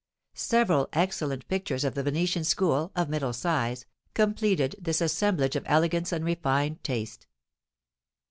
Several excellent pictures of the Venetian school, of middle size, completed this assemblage of elegance and refined taste.